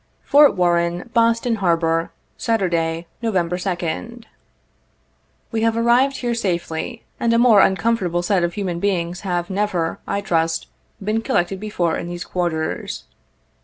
" Fort Warren, Boston Harbor, Saturday, Nov. 2d. " We have arrived here safely, and a more uncomfortable set of human beings have never, I trust, been collected before in these quarters.